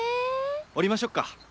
降りましょっか。